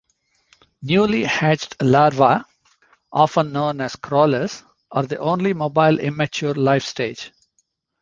Newly hatched larvae, often known as crawlers, are the only mobile immature life-stage.